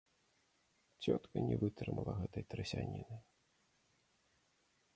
Цётка не вытрымала гэтай трасяніны.